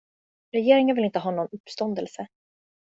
Regeringen vill inte ha någon uppståndelse.